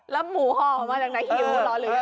แล้วหมูห่อออกมาจากไหนหิวเหรอ